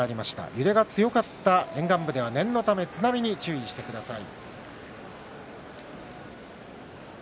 揺れが強かった沿岸部では念のため津波に注意してください。